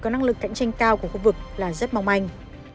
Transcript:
có năng lực cạnh tranh cao của khu vực là rất mong manh